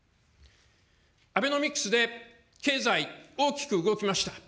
アベノミクスで経済、大きく動きました。